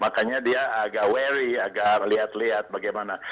makanya dia agak weri agak lihat lihat bagaimana